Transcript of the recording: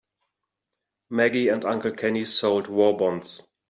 Maggie and Uncle Kenny sold war bonds.